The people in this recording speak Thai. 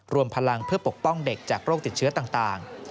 รวมพลังเพื่อปกป้องเด็กจากโรคติดเชื้อต่าง